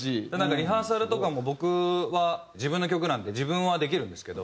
リハーサルとかも僕は自分の曲なんで自分はできるんですけど